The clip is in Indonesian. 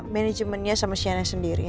manajemennya sama sienna sendiri